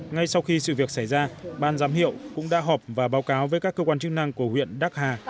ngay sau khi sự việc xảy ra ban giám hiệu cũng đã họp và báo cáo với các cơ quan chức năng của huyện đắc hà